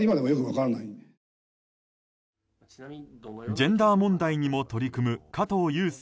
ジェンダー問題にも取り組む加藤裕介